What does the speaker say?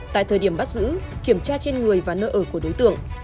tại thời điểm bắt giữ kiểm tra trên người và nơi ở của đối tượng